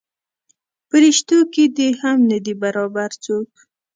پریشتو کې دې هم نه دی برابر څوک.